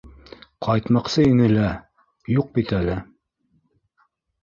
— Ҡайтмаҡсы ине лә, юҡ бит әле.